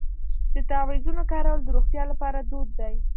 د تعویذونو کارول د روغتیا لپاره دود دی.